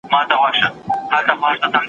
مسلمانان د خپلو ژمنو په پوره کولو کي جدي وو.